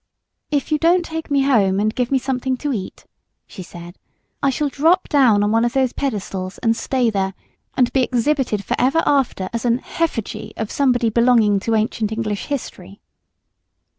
"If you don't take me home and give me something to eat," she said, "I shall drop down on one of these pedestals and stay there and be exhibited forever after as an 'h'effigy' of somebody belonging to ancient English history."